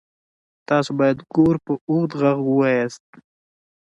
تاسو باید ګور په اوږد غږ ووایاست.